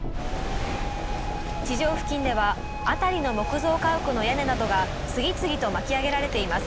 地上付近では辺りの木造家屋の屋根などが次々と巻き上げられています。